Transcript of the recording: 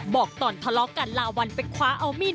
บอกตอนทะเลาะกันลาวัลไปคว้าเอามีด